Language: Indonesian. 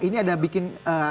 ini ada bikin